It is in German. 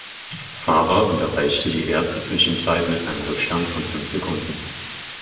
Fahrer und erreichte die erste Zwischenzeit mit einem Rückstand von fünf Sekunden.